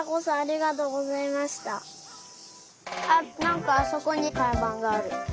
あっなんかあそこにかんばんがある。